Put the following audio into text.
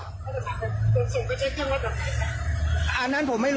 ขนส่งควรใช้เครื่องวัดแบบไหน